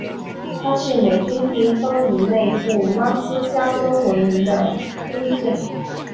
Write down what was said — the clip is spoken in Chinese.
她是美军第一艘以内布拉斯加州为名的军舰。